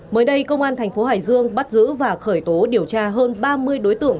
mới đây công an thành phố hải dương bắt giữ và khởi tố điều tra hơn ba mươi đối tượng